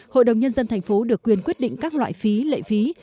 hội đồng nhân dân thành phố được quyền quyết định các loại phí lệ phí